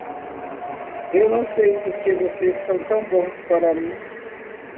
Eu não sei porque vocês são tão bons para mim.